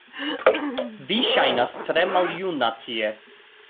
Vi ŝajnas tre maljuna tie